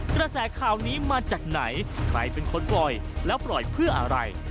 กระแสข่าวนี้มาจากไหนใครเป็นคนปล่อยแล้วปล่อยเพื่ออะไร